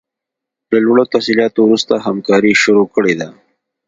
له لوړو تحصیلاتو وروسته همکاري شروع کړې ده.